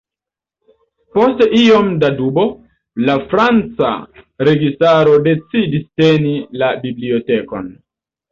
Post iom da dubo, la franca registaro decidis teni la bibliotekon.